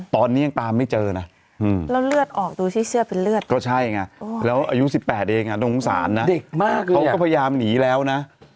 ตอนนี้ยังตามไม่เจอนะแล้วเลือดออกดูสิเสื้อเป็นเลือดก็ใช่ไงแล้วอายุ๑๘เองต้องสงสารนะเด็กมากเลยเขาก็พยายามหนีแล้วนะ